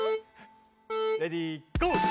レディーゴー！